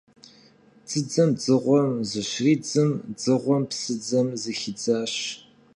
Дзыдзэм дзыгъуэм зыщридзым, дзыгъуэм псыдзэм зыхидзащ,.